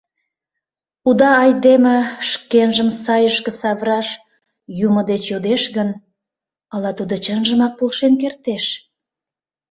Уда айдеме шкенжым сайышке савыраш Юмо деч йодеш гын, ала Тудо чынжымак полшен кертеш?